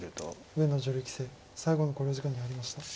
上野女流棋聖最後の考慮時間に入りました。